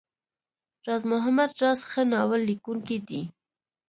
راز محمد راز ښه ناول ليکونکی دی.